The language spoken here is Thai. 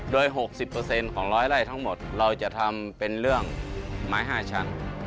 โดย๖๐ของ๑๐๐ไร่ทั้งหมดเราจะทำเป็นเรื่องไม้๕ชั้น